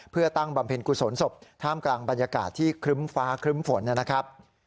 เพื่อตั้งบำเพ็ญกุศลศพท่ามกลางบรรยากาศที่ครึ้มฟ้าครึ้มฝนนะครับ